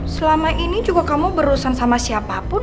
selama ini kamu juga berurusan sama siapapun